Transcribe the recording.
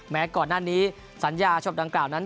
แม้ก่อนหน้านี้สัญญาชบดังกล่าวนั้น